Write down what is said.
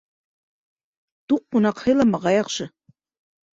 Туҡ ҡунаҡ һыйламаға яҡшы.